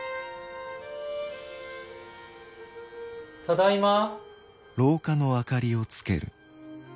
ただいま。